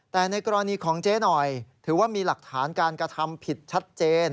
แต่ในกรณีของเจ๊หน่อยถือว่ามีหลักฐานการกระทำผิดชัดเจน